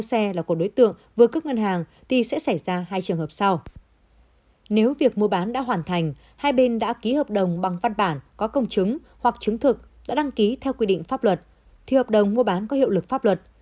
nếu việc mua bán đã hoàn thành hai bên đã ký hợp đồng bằng văn bản có công chứng hoặc chứng thực đã đăng ký theo quy định pháp luật thì hợp đồng mua bán có hiệu lực pháp luật